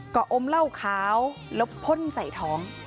ก็อมเหล้าขาวแล้วพ่นใส่ท้อง